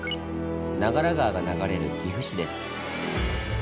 長良川が流れる岐阜市です。